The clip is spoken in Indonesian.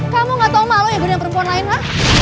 kamu gak tau malu ya dengan perempuan lain ha